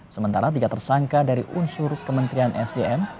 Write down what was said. sementara tiga tersangka dari unsur kementerian sdm